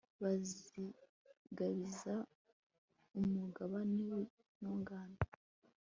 bazigabiza umugabane w'intungane